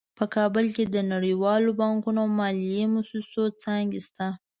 په کابل کې د نړیوالو بانکونو او مالي مؤسسو څانګې شته